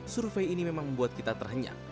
survei ini memang membuat kita terhenyak